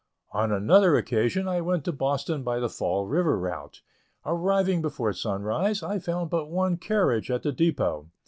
On another occasion, I went to Boston by the Fall River route. Arriving before sunrise, I found but one carriage at the depot.